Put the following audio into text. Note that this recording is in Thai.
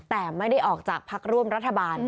แต่ไม่ได้ออกจากพักร่วมรัฐบาล